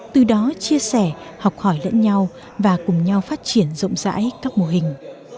từ đó chia sẻ học hỏi lẫn nhau và cùng nhau phát triển rộng rãi các mô hình